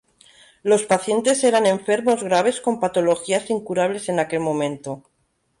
Los pacientes eran enfermos graves con patologías incurables en aquel momento.